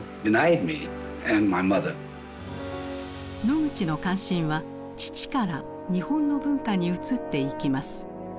ノグチの関心は父から日本の文化に移っていきます。